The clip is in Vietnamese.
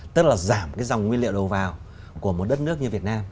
tức là giảm cái dòng nguyên liệu đầu vào của một đất nước như việt nam